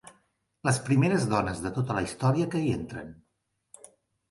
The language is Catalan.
Les primeres dones de tota la història que hi entren.